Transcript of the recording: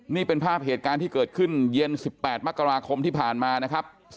นี่เป็นภาพเหตุการณ์ที่เกิดขึ้นเย็น๑๘มกราคมที่ผ่านมานะครับ